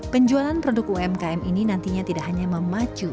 penjualan produk umkm ini nantinya tidak hanya memacu